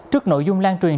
trước nội dung lan truyền